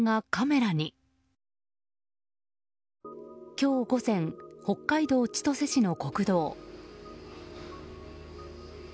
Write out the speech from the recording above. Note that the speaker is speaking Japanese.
今日午前、北海道千歳市の国道。